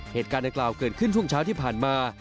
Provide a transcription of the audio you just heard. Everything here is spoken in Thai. เหตุการณ์ดังกล่าวเกิดขึ้นช่วงเช้าที่ผ่านมา